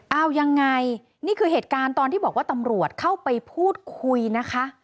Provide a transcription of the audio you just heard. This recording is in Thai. เอายังไงนี่คือเหตุการณ์ตอนที่บอกว่าตำรวจเข้าไปพูดคุยนะคะ